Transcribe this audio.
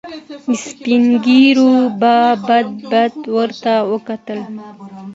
سپين ږيرو به بد بد ورته وکتل.